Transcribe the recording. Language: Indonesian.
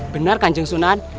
benar kanjeng sunan